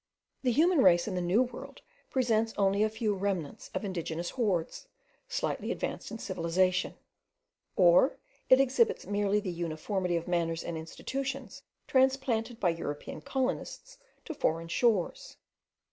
The human race in the New World presents only a few remnants of indigenous hordes, slightly advanced in civilization; or it exhibits merely the uniformity of manners and institutions transplanted by European colonists to foreign shores.